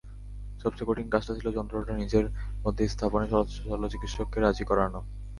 সবচেয়ে কঠিন কাজটা ছিল যন্ত্রটা নিজের মধ্যে স্থাপনে শল্যচিকিৎসককে রাজি করানো।